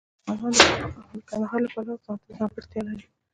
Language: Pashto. افغانستان د کندهار د پلوه ځانته ځانګړتیا لري.